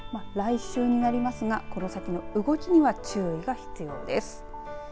来週になりますがこの先の動きには注意が必要です。